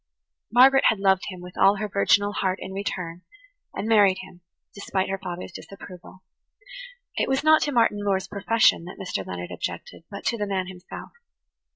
Margaret had loved him with all her virginal heart in return, and married him, despite her father's disapproval. It was not to Martin Moore's profession that Mr. Leonard objected, but to the man himself.